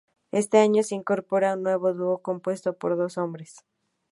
Este año se incorpora un nuevo dúo compuesto por dos hombres.